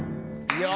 いや！